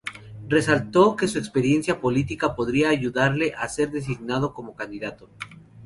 Resaltó que su experiencia política podría ayudarle a ser designado como candidato.